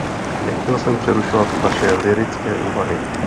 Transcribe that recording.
Nechtěl jsem přerušovat vaše lyrické úvahy.